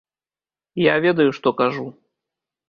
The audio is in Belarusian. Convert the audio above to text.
Я ведаю, што кажу.